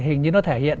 hình như nó thể hiện